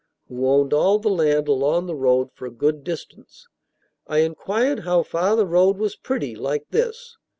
who owned all the land along the road for a good distance. I inquired how far the road was pretty, like this.